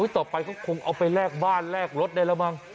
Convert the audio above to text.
ต่อไปก็คงเอาไปแลกบ้านแลกรถได้แล้วมั้ง